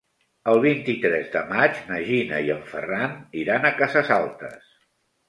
El vint-i-tres de maig na Gina i en Ferran iran a Cases Altes.